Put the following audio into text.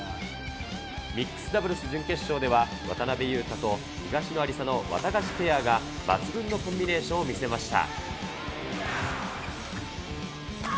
ミックスダブルス準決勝では、渡辺勇大と東野有紗のワタガシペアが抜群のコンビネーションを見せました。